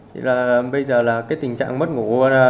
thì là bây giờ là cái tình trạng mất ngủ